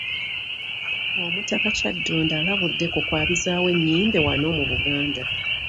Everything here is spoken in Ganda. Omutaka Kyaddondo alabudde ku kwabizaawo ennyimbe wano mu Buganda.